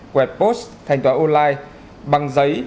quẹt post thanh toán online bằng giấy